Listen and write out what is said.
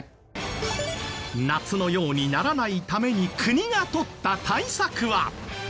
夏のようにならないために国が取った対策は？